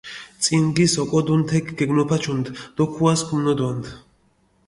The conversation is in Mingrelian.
წინგის ოკოდუნ თექ გეგნოფაჩუნდჷ დო ქუას ქუმნოდვანდჷ.